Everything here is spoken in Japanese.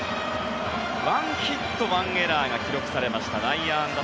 １ヒット１エラーが記録されました、内野安打。